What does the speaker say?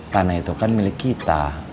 tanah itu kan milik kita